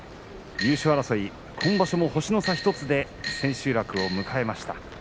優勝争い、今場所も星の差１つで千秋楽を迎えました。